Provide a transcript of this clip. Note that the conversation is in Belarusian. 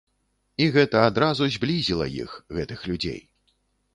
І гэта адразу зблізіла іх, гэтых людзей.